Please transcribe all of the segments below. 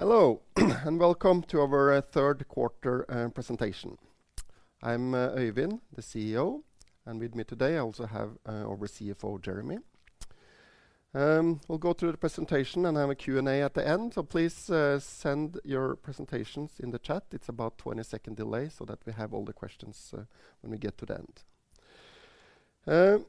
Hello and welcome to our third quarter presentation. I'm Øyvind, the CEO, and with me today, I also have our CFO, Jeremy. We'll go through the presentation and have a Q&A at the end, so please send your presentations in the chat. It's about 20-second delay so that we have all the questions when we get to the end.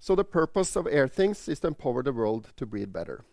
So the purpose of Airthings is to empower the world to breathe better.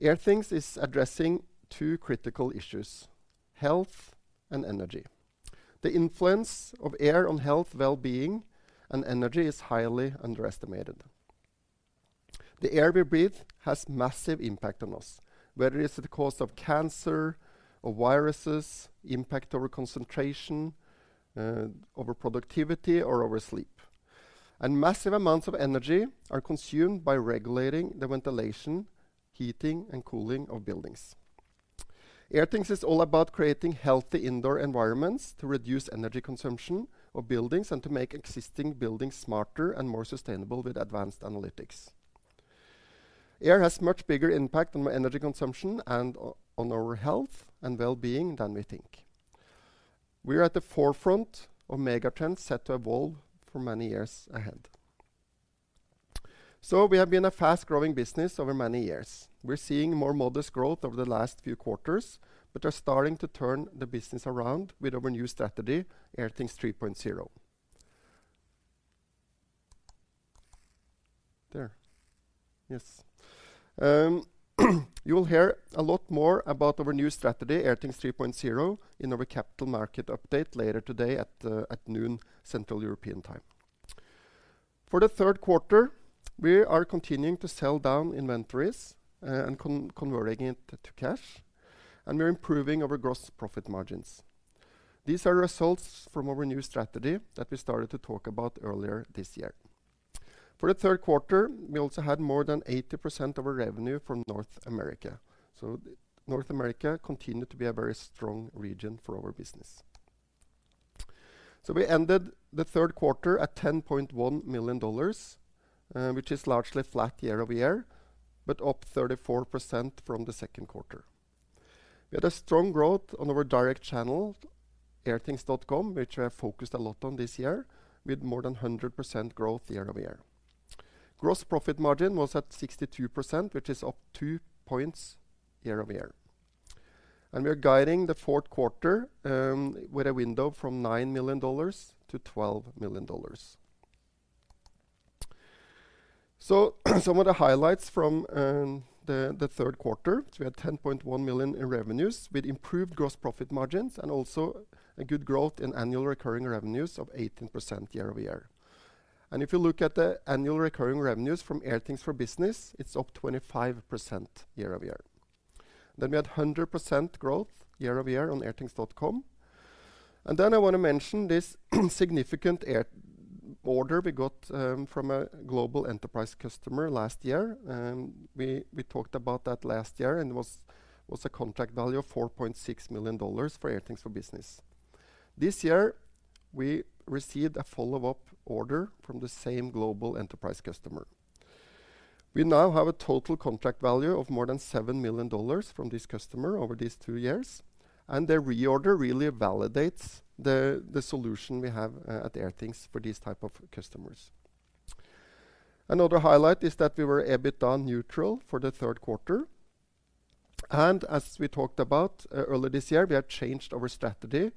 Airthings is addressing two critical issues, health and energy. The influence of air on health, wellbeing, and energy is highly underestimated. The air we breathe has massive impact on us, whether it's the cause of cancer or viruses, impact our concentration, our productivity or our sleep. And massive amounts of energy are consumed by regulating the ventilation, heating, and cooling of buildings. Airthings is all about creating healthy indoor environments to reduce energy consumption of buildings and to make existing buildings smarter and more sustainable with advanced analytics. Air has much bigger impact on energy consumption and on our health and wellbeing than we think. We're at the forefront of mega trends set to evolve for many years ahead. So we have been a fast-growing business over many years. We're seeing more modest growth over the last few quarters, but are starting to turn the business around with our new strategy, Airthings 3.0. You will hear a lot more about our new strategy, Airthings 3.0, in our capital market update later today at noon, Central European Time. For the third quarter, we are continuing to sell down inventories and converting it to cash, and we're improving our gross profit margins. These are results from our new strategy that we started to talk about earlier this year. For the third quarter, we also had more than 80% of our revenue from North America. North America continued to be a very strong region for our business. We ended the third quarter at $10.1 million, which is largely flat year-over-year, but up 34% from the second quarter. We had a strong growth on our direct channel, airthings.com, which we have focused a lot on this year, with more than 100% growth year-over-year. Gross profit margin was at 62%, which is up two points year-over-year. We are guiding the fourth quarter with a window from $9 million to $12 million. Some of the highlights from the third quarter. So we had $10.1 million in revenues, with improved gross profit margins and also a good growth in annual recurring revenues of 18% year-over-year. And if you look at the annual recurring revenues from Airthings for Business, it's up 25% year-over-year. Then we had 100% growth year-over-year on airthings.com. And then I want to mention this significant Airthings order we got from a global enterprise customer last year. We talked about that last year, and it was a contract value of $4.6 million for Airthings for Business. This year, we received a follow-up order from the same global enterprise customer. We now have a total contract value of more than $7 million from this customer over these two years, and their reorder really validates the, the solution we have at Airthings for these type of customers. Another highlight is that we were EBITDA neutral for the third quarter, and as we talked about earlier this year, we have changed our strategy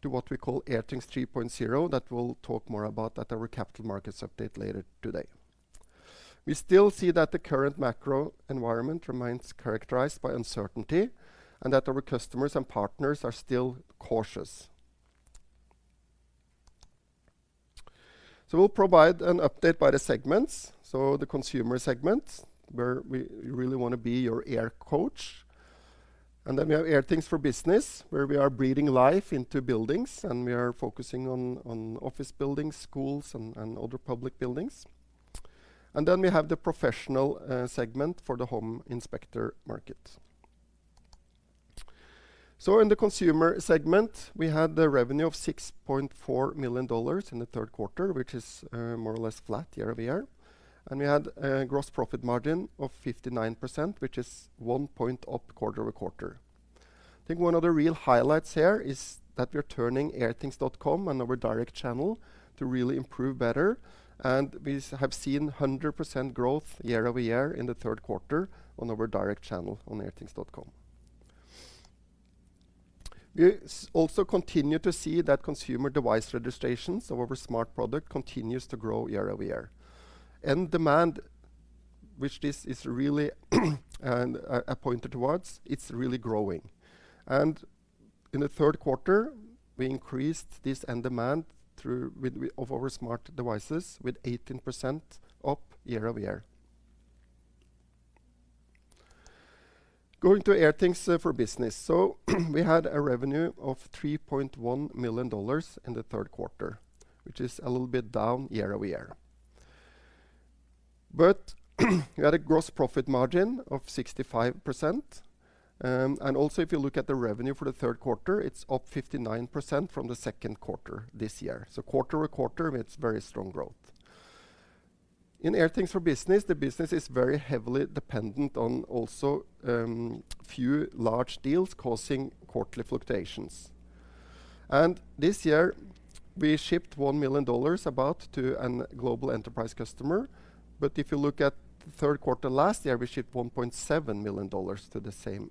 to what we call Airthings 3.0, that we'll talk more about at our capital markets update later today. We still see that the current macro environment remains characterized by uncertainty, and that our customers and partners are still cautious. So we'll provide an update by the segments, so the consumer segment, where we really want to be your air coach. And then we have Airthings for Business, where we are breathing life into buildings, and we are focusing on, on office buildings, schools, and, and other public buildings. And then we have the professional segment for the home inspector market. So in the consumer segment, we had the revenue of $6.4 million in the third quarter, which is more or less flat year-over-year. And we had a gross profit margin of 59%, which is 1 point up quarter-over-quarter. I think one of the real highlights here is that we are turning airthings.com and our direct channel to really improve better, and we have seen 100% growth year-over-year in the third quarter on our direct channel on airthings.com. We also continue to see that consumer device registrations of our smart product continues to grow year-over-year. End demand, which this is really, and pointed towards, it's really growing. And in the third quarter, we increased this end demand through of our smart devices with 18% up year-over-year. Going to Airthings for Business. So, we had a revenue of $3.1 million in the third quarter, which is a little bit down year-over-year. But, we had a gross profit margin of 65%. And also, if you look at the revenue for the third quarter, it's up 59% from the second quarter this year. So quarter-over-quarter, it's very strong growth. In Airthings for Business, the business is very heavily dependent on also few large deals causing quarterly fluctuations. And this year, we shipped $1 million about to a global enterprise customer, but if you look at the third quarter last year, we shipped $1.7 million to the same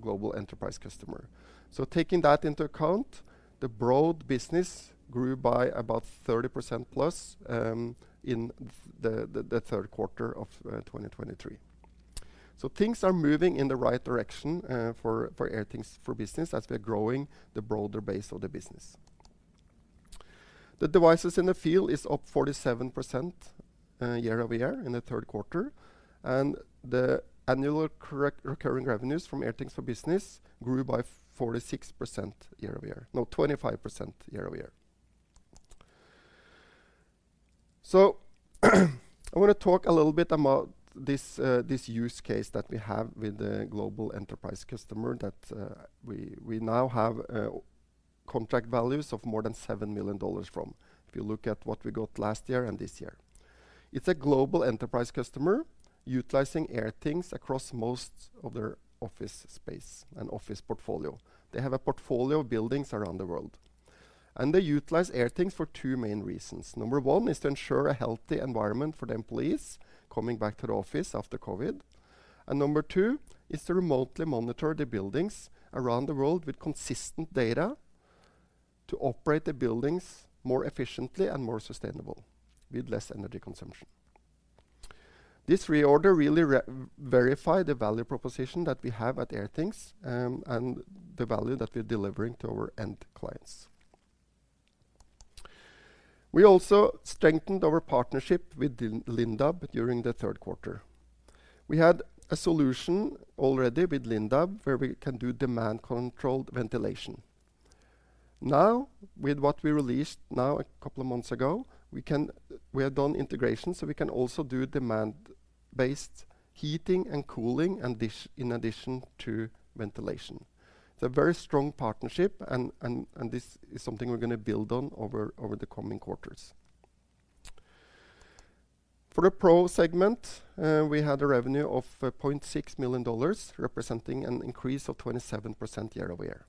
global enterprise customer. So taking that into account, the broad business grew by about 30%+, in the third quarter of 2023. So things are moving in the right direction for Airthings for Business, as we are growing the broader base of the business. The devices in the field is up 47% year-over-year in the third quarter, and the annual recurring revenues from Airthings for Business grew by 46% year-over-year no, 25% year-over-year. So, I want to talk a little bit about this, this use case that we have with the global enterprise customer that we now have contract values of more than $7 million from, if you look at what we got last year and this year. It's a global enterprise customer utilizing Airthings across most of their office space and office portfolio. They have a portfolio of buildings around the world, and they utilize Airthings for two main reasons. Number one is to ensure a healthy environment for the employees coming back to the office after COVID, and number two is to remotely monitor the buildings around the world with consistent data to operate the buildings more efficiently and more sustainable, with less energy consumption. This reorder really verifies the value proposition that we have at Airthings, and the value that we're delivering to our end clients. We also strengthened our partnership with Lindab during the third quarter. We had a solution already with Lindab, where we can do demand-controlled ventilation. Now, with what we released a couple of months ago, we have done integration, so we can also do demand-based heating and cooling, and this in addition to ventilation. It's a very strong partnership, and this is something we're gonna build on over the coming quarters. For the Pro segment, we had a revenue of $0.6 million, representing an increase of 27% year-over-year.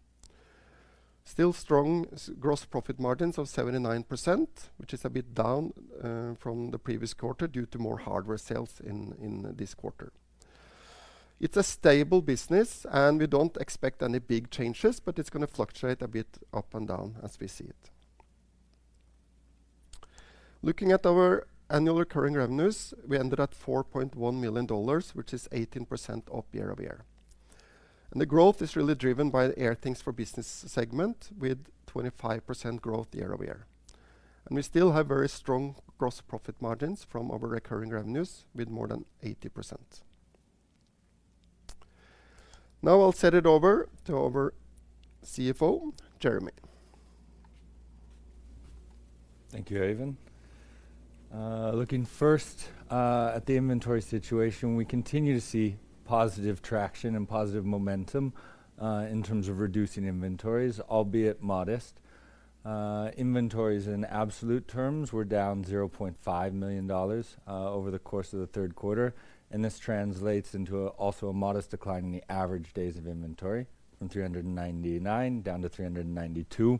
Still strong gross profit margins of 79%, which is EBITDA from the previous quarter due to more hardware sales in this quarter. It's a stable business, and we don't expect any big changes, but it's gonna fluctuate a bit up and down as we see it. Looking at our annual recurring revenues, we ended at $4.1 million, which is 18% up year-over-year. And the growth is really driven by the Airthings for Business segment, with 25% growth year-over-year. And we still have very strong gross profit margins from our recurring revenues, with more than 80%. Now I'll send it over to our CFO, Jeremy. Thank you, Øyvind. Looking first at the inventory situation, we continue to see positive traction and positive momentum in terms of reducing inventories, albeit modest. Inventories in absolute terms were down $0.5 million over the course of the third quarter, and this translates into also a modest decline in the average days of inventory, from 399 down to 392.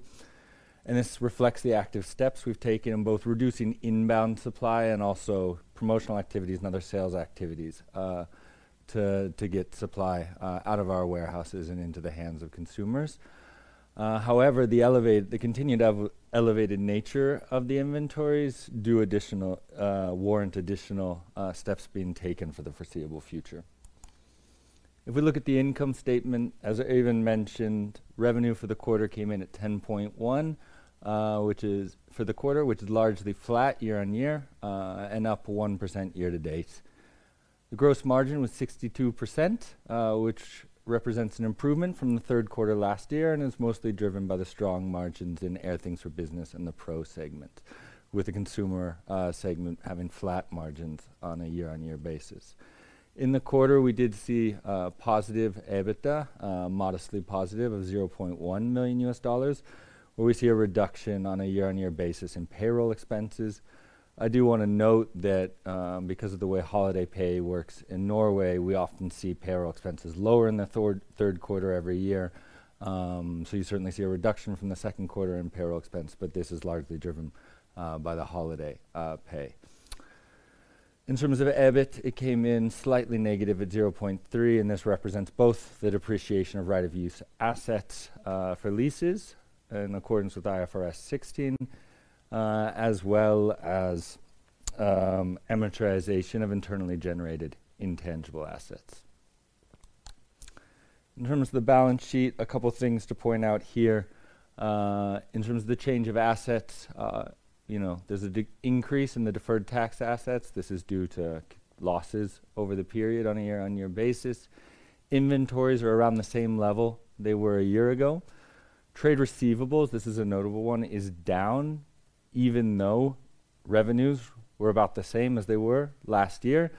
And this reflects the active steps we've taken in both reducing inbound supply and also promotional activities and other sales activities to get supply out of our warehouses and into the hands of consumers. However, the continued elevated nature of the inventories does additionally warrant additional steps being taken for the foreseeable future. If we look at the income statement, as Øyvind mentioned, revenue for the quarter came in at $10.1 million, which is for the quarter, which is largely flat year-on-year, and up 1% year-to-date. The gross margin was 62%, which represents an improvement from the third quarter last year and is mostly driven by the strong margins in Airthings for Business and the Pro segment, with the consumer segment having flat margins on a year-on-year basis. In the quarter, we did see positive EBITDA, modestly positive of $0.1 million, where we see a reduction on a year-on-year basis in payroll expenses. I do wanna note that, because of the way holiday pay works in Norway, we often see payroll expenses lower in the third quarter every year. So you certainly see a reduction from the second quarter in payroll expense, but this is largely driven by the holiday pay. In terms of EBIT, it came in slightly negative at 0.3, and this represents both the depreciation of right-of-use assets for leases in accordance with IFRS 16, as well as amortization of internally generated intangible assets. In terms of the balance sheet, a couple things to point out here. In terms of the change of assets, you know, there's an increase in the deferred tax assets. This is due to losses over the period on a year-on-year basis. Inventories are around the same level they were a year ago. Trade receivables, this is a notable one, is down, even though revenues were about the same as they were last year.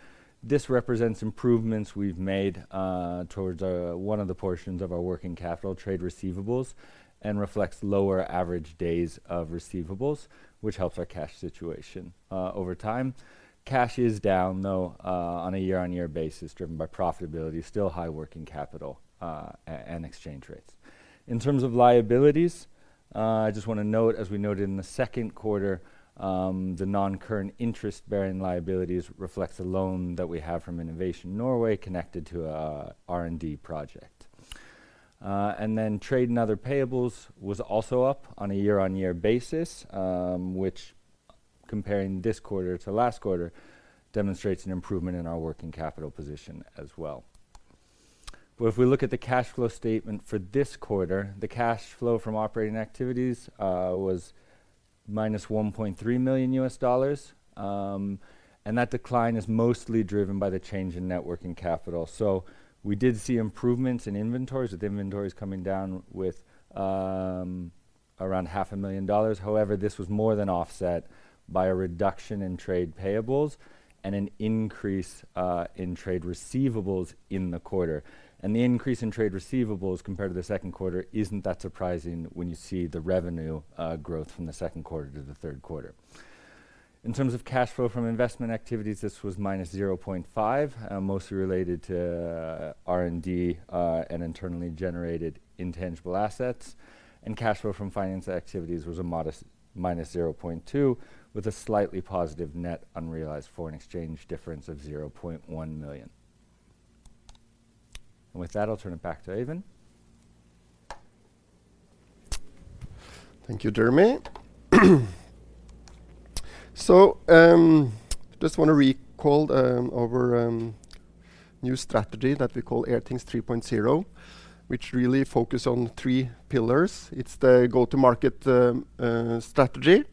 This represents improvements we've made, towards, one of the portions of our working capital trade receivables, and reflects lower average days of receivables, which helps our cash situation, over time. Cash is down, though, on a year-on-year basis, driven by profitability, still high working capital, and exchange rates. In terms of liabilities, I just want to note, as we noted in the second quarter, the non-current interest-bearing liabilities reflects a loan that we have from Innovation Norway, connected to a R&D project. And then trade and other payables was also up on a year-on-year basis, which comparing this quarter to last quarter, demonstrates an improvement in our working capital position as well. But if we look at the cash flow statement for this quarter, the cash flow from operating activities was minus $1.3 million, and that decline is mostly driven by the change in net working capital. So we did see improvements in inventories, with inventories coming down with around $500,000. However, this was more than offset by a reduction in trade payables and an increase in trade receivables in the quarter. And the increase in trade receivables compared to the second quarter isn't that surprising when you see the revenue growth from the second quarter to the third quarter. In terms of cash flow from investment activities, this was minus $0.5 million, mostly related to R&D and internally generated intangible assets. Cash flow from financing activities was a modest -$0.2 million, with a slightly positive net unrealized foreign exchange difference of $0.1 million. And with that, I'll turn it back to Øyvind. Thank you, Jeremy. So, just want to recall, our new strategy that we call Airthings 3.0, which really focus on three pillars. It's the go-to-market strategy,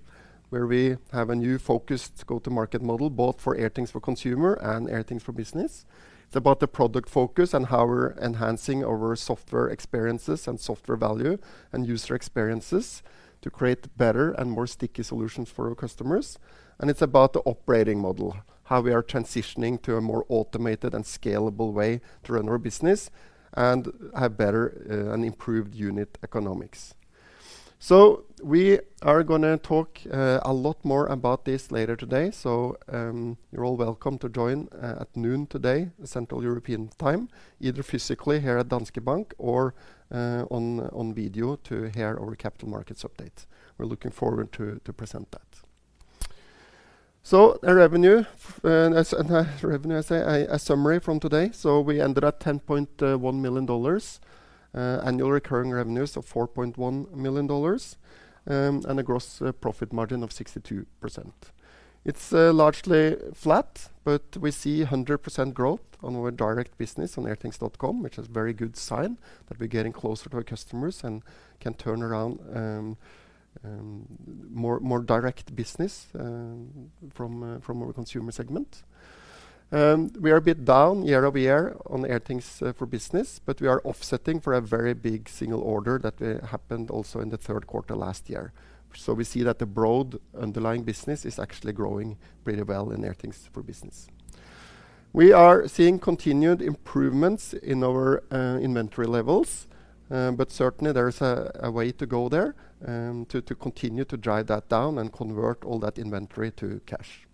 where we have a new focused go-to-market model, both for Airthings for Consumer and Airthings for Business. It's about the product focus and how we're enhancing our software experiences and software value and user experiences to create better and more sticky solutions for our customers. And it's about the operating model, how we are transitioning to a more automated and scalable way to run our business and have better, and improved unit economics. So we are gonna talk, a lot more about this later today. So, you're all welcome to join at noon today, Central European Time, either physically here at Danske Bank or on video to hear our capital markets update. We're looking forward to present that. So our revenue, as a summary from today. So we ended at $10.1 million, annual recurring revenues of $4.1 million, and a gross profit margin of 62%. It's largely flat, but we see 100% growth on our direct business on airthings.com, which is a very good sign that we're getting closer to our customers and can turn around more direct business from our consumer segment. We are EBITDA year-over-year on Airthings for Business, but we are offsetting for a very big single order that happened also in the third quarter last year. So we see that the broad underlying business is actually growing pretty well in Airthings for Business. We are seeing continued improvements in our inventory levels, but certainly there is a way to go there to continue to drive that down and convert all that inventory to cash.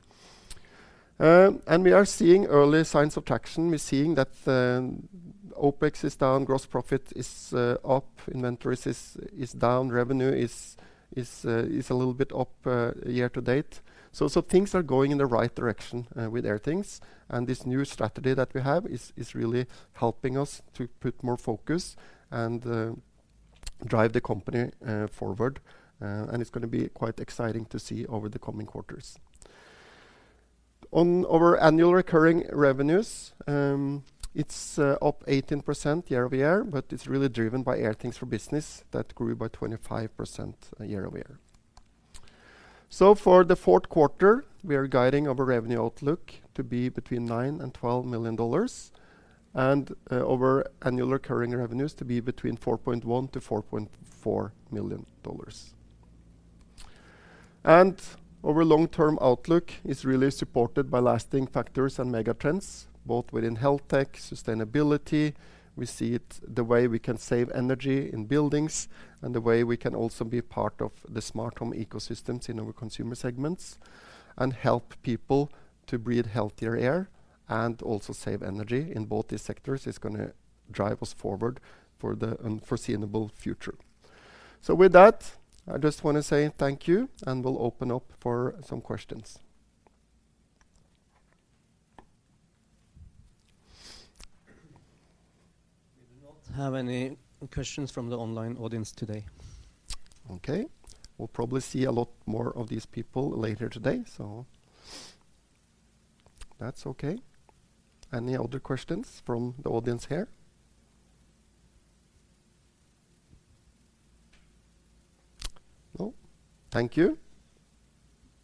And we are seeing early signs of traction. We're seeing that OpEx is down, gross profit is up, inventories is down, revenue is a little bit up year to date. So things are going in the right direction, with Airthings, and this new strategy that we have is really helping us to put more focus and, drive the company, forward, and it's gonna be quite exciting to see over the coming quarters. On our annual recurring revenues, it's up 18% year-over-year, but it's really driven by Airthings for Business, that grew by 25% year-over-year. So for the fourth quarter, we are guiding our revenue outlook to be between $9 million and $12 million, and our annual recurring revenues to be between $4.1 million to $4.4 million. And our long-term outlook is really supported by lasting factors and mega trends, both within health tech, sustainability. We see it the way we can save energy in buildings and the way we can also be part of the smart home ecosystems in our consumer segments, and help people to breathe healthier air and also save energy in both these sectors, is gonna drive us forward for the unforeseeable future. So with that, I just want to say thank you, and we'll open up for some questions. We do not have any questions from the online audience today. Okay. We'll probably see a lot more of these people later today, so that's okay. Any other questions from the audience here? No? Thank you.